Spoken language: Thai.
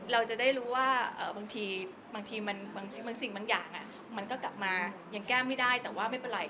เราจะได้รู้ว่าบางทีบางสิ่งบางอย่างมันก็กลับมายังแก้ไม่ได้แต่ว่าไม่เป็นไร